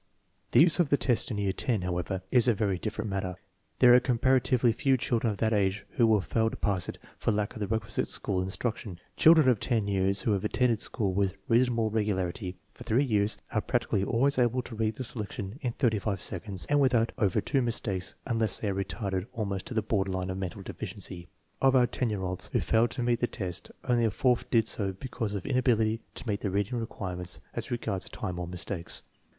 The use of the test in year X, however, is a very different matter. There are comparatively few children of that age who will fail to pass it for lack of the requisite school in struction. Children of 10 years who have attended school with reasonable regularity for three years are practically always able to read the selection in thirty five seconds and without over two mistakes unless they are retarded almost to the border line of mental deficiency. Of our 10 year olds who failed to meet the test, only a fourth did so be cause of inability to meet the reading requirements as regards time or mistakes.